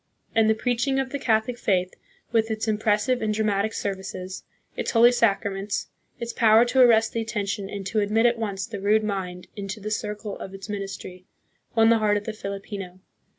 And the preaching of the Catholic faith, with its impressive and dramatic services, its holy sacraments, its power to arrest the attention and to admit at once the rude mind into the circle of its ministry, won the heart of the Filipino.